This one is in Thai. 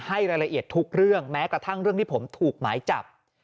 ให้รายละเอียดทุกเรื่องแม้กระทั่งเรื่องที่ผมถูกหมายจับ